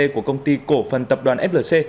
của công ty cổ phần tập đoàn flc